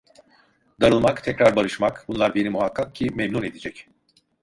Darılmak, tekrar barışmak, bunlar beni muhakkak ki memnun edecek…